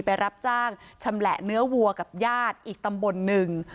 รับจ้างชำแหละเนื้อวัวกับญาติอีกตำบลหนึ่ง